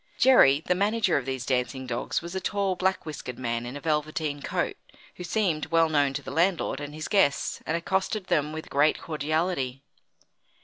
Jerry, the manager of these dancing dogs, was a tall black whiskered man in a velveteen coat, who seemed well known to the landlord and his guests and accosted them with great cordiality.